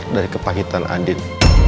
dari kepahitan andin